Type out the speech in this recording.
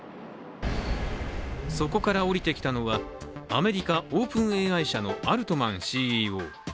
そこから降りてきたのはアメリカ・ＯｐｅｎＡＩ社のアルトマンＣＥＯ。